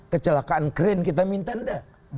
kecelakaan keren kita minta tidak